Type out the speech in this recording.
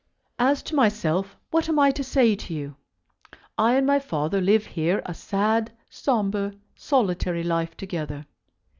As to myself, what am I to say to you? I and my father live here a sad, sombre, solitary life, together.